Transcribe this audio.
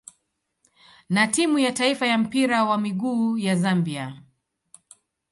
na timu ya taifa ya mpira wa miguu ya Zambia.